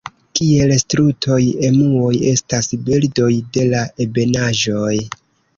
Kiel strutoj, emuoj estas birdoj de la ebenaĵoj.